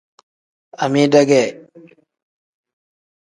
Amida ge.